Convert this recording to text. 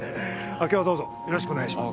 あっ今日はどうぞよろしくお願いします。